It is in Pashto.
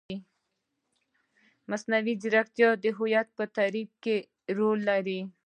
مصنوعي ځیرکتیا د هویت په تعریف کې رول لري.